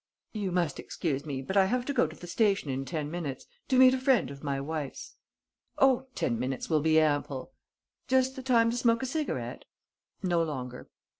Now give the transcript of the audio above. "You must excuse me, but I have to go to the station in ten minutes, to meet a friend of my wife's." "Oh, ten minutes will be ample!" "Just the time to smoke a cigarette?" "No longer."